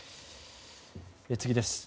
次です。